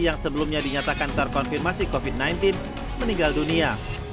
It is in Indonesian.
yang sebelumnya dinyatakan terkonfirmasi covid sembilan belas meninggal dunia